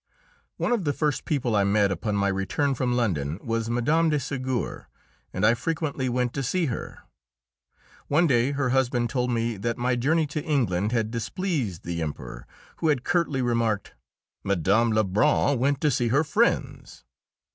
One of the first people I met, upon my return from London, was Mme. de Ségur, and I frequently went to see her. One day her husband told me that my journey to England had displeased the Emperor, who had curtly remarked, "Mme. Lebrun went to see her friends."